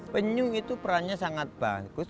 penyu itu perannya sangat bagus